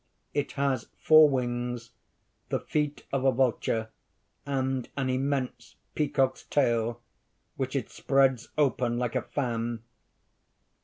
_ _It has four wings, the feet of a vulture, and an immense peacock's tail which it spreads open like a fan.